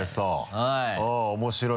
はい。